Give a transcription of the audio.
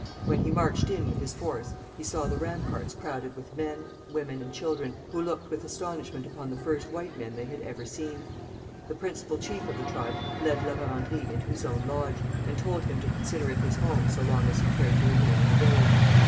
When he marched in with his force, he saw the ramparts crowded with men, women, and children, who looked with astonishment upon the first white men they had ever seen. The principal chief of the tribe led La Vérendrye into his own lodge, and told him to consider it his home so long as he cared to remain in the village.